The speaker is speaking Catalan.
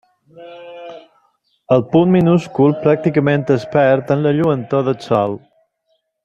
El punt minúscul pràcticament es perd en la lluentor del Sol.